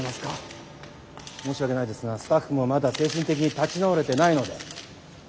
申し訳ないですがスタッフもまだ精神的に立ち直れてないので。